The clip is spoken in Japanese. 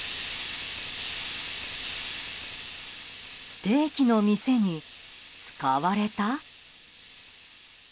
ステーキの店に使われた？